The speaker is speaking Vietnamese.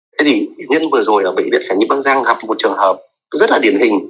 thế thì bệnh nhân vừa rồi ở bệnh viện sản nhi bắc giang gặp một trường hợp rất là điển hình